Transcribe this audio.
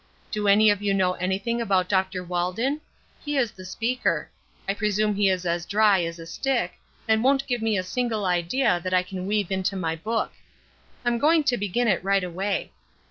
Do any of you know anything about Dr. Walden? He is the speaker. I presume he is as dry as a stick, and won't give me a single idea that I can weave into my book. I'm going to begin it right away.